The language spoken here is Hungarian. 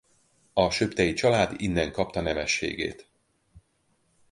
A Söptey-család innen kapta nemességét.